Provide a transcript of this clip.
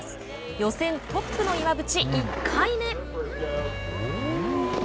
予選トップの岩渕、１回目。